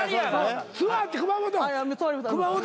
座って熊元。